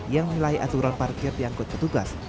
yang melalui aturan parkir dianggut petugas